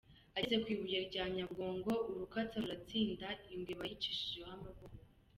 Ageze ku Ibuye rya Nyabugogo Urukatsa ruhatsinda ingwe bayicishije amaboko.